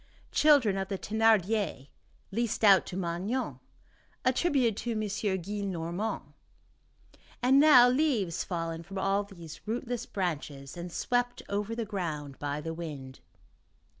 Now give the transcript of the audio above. Children of the Thénardiers, leased out to Magnon, attributed to M. Gillenormand, and now leaves fallen from all these rootless branches, and swept over the ground by the wind.